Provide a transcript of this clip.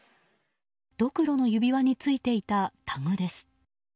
どくろの指輪についていたタグです。